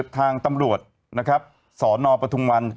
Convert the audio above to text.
ทางตำรวจสนปทุงวัน